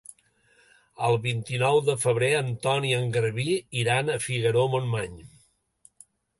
El vint-i-nou de febrer en Ton i en Garbí iran a Figaró-Montmany.